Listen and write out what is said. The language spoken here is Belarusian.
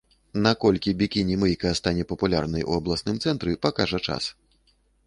Наколькі бікіні-мыйка стане папулярнай у абласным цэнтры, пакажа час.